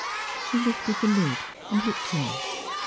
She lifted the lid and looked in.